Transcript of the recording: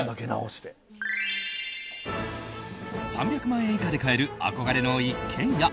３００万円以下で買える憧れの一軒家。